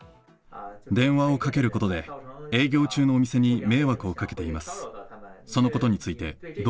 電話を掛けることで、営業中のお店に迷惑をかけています。